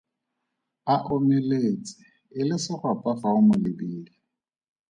A omeletse e le segwapa fa o mo lebile.